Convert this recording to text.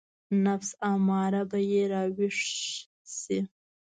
نفس اماره به يې راويښ شي.